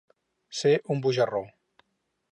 Ser un bujarró.